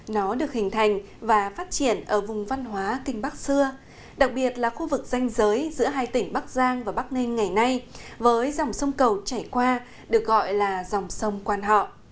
nó được hình thành và phát triển ở vùng văn hóa kinh bắc xưa đặc biệt là khu vực danh giới giữa hai tỉnh bắc giang và bắc ninh ngày nay với dòng sông cầu chảy qua được gọi là dòng sông quan họ